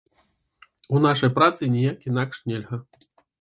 У нашай працы ніяк інакш нельга.